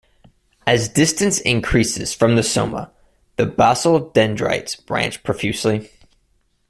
As distance increases from the soma, the basal dendrites branch profusely.